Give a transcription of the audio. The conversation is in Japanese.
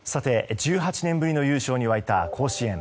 １８年ぶりの優勝に沸いた甲子園。